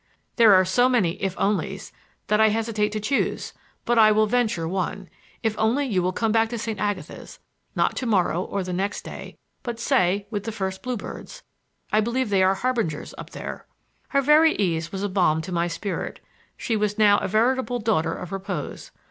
"There are so many 'if onlies' that I hesitate to choose; but I will venture one. If only you will come back to St. Agatha's! Not to morrow, or the next day, but, say, with the first bluebirds. I believe they are the harbingers up there." Her very ease was a balm to my spirit; she was now a veritable daughter of repose.